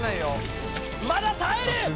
まだ耐える